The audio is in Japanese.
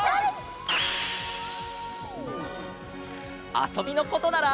あそびのことなら。